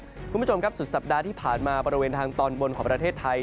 คุณผู้ชมครับสุดสัปดาห์ที่ผ่านมาบริเวณทางตอนบนของประเทศไทย